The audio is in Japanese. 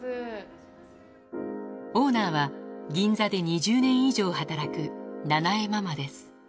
オーナーは、銀座で２０年以上働くななえママです。